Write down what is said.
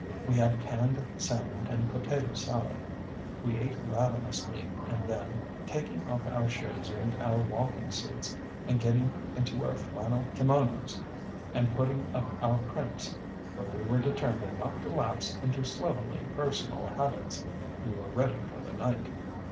We had canned salmon and potato salad. We ate ravenously and then, taking off our shoes and our walking suits, and getting into our flannel kimonos and putting up our crimps for we were determined not to lapse into slovenly personal habits we were ready for the night.